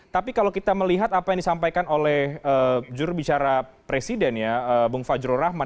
tapi kalau kita melihat apa yang disampaikan oleh jurubicara presiden ya bung fajro rahman